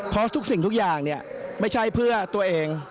เพราะทุกสิ่งทุกอย่างไม่ใช่เพื่อตัวเอง